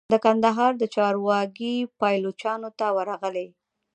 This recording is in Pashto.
د کندهار د چارو واګي پایلوچانو ته ورغلې.